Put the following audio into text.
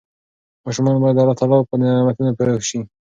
ماشومان باید د الله تعالی په نعمتونو پوه شي.